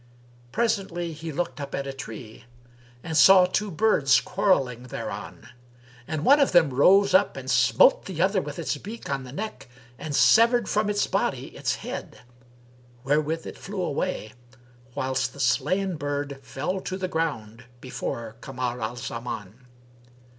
Presently, he looked up at a tree and saw two birds quarrelling thereon, and one of them rose up and smote the other with its beak on the neck and severed from its body its head, wherewith it flew away, whilst the slain bird fell to the ground before Kamar al Zaman.